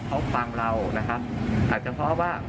เขาฟังเรานะครับอาจจะเพราะว่า